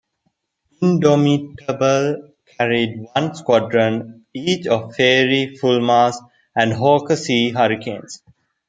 "Indomitable" carried one squadron each of Fairey Fulmars and Hawker Sea Hurricanes.